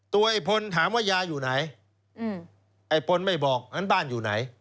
ไอ้พลถามว่ายาอยู่ไหนไอ้พลไม่บอกงั้นบ้านอยู่ไหน